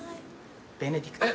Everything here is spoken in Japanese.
ベネディクト。